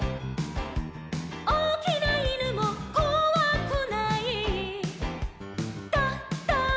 「おおきないぬもこわくない」「ドド」